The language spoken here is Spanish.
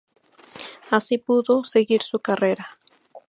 Así pudo seguir su carrera.